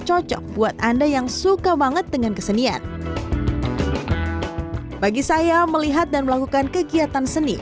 cocok buat anda yang suka banget dengan kesenian bagi saya melihat dan melakukan kegiatan seni